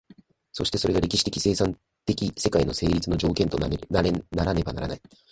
そしてそれが歴史的生産的世界の成立の条件とならねばならない。